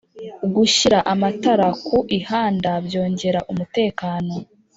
Gushyira amatara ku ihanda byongera umutekano